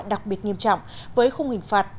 đặc biệt nghiêm trọng với khung hình phạt